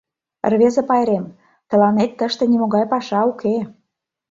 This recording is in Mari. Рвезе пайрем... тыланет тыште нимогай паша уке...